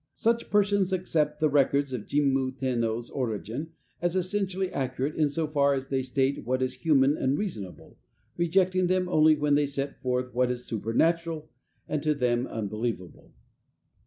Such persons accept the records of Jimmu Tenno's origin as essentially accurate in so far as they state what is human and reasonable, rejecting them only when they set forth what is supernatural, and, to them, unbelievable.